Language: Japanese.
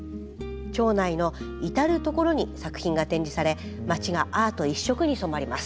町内の至る所に作品が展示され町がアート一色に染まります。